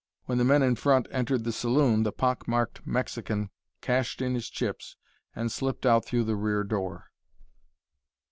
When the men in front entered the saloon, the pock marked Mexican cashed in his chips and slipped out through the rear door.